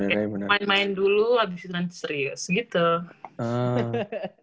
main main dulu abis itu nanti serius gitu